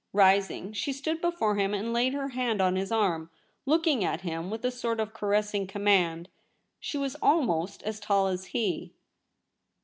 Rising, she stood before him and laid her hand on his arm, looking at him with a sort of caressing command. She was almost as tall as he.